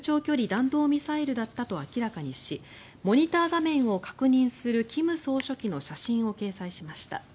弾道ミサイルだったと明らかにしモニター画面を確認する金総書記の写真を掲載しました。